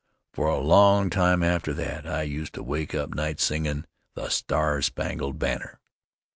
For a long time after that I use to wake up nights singin' "The Star Spangled Banner."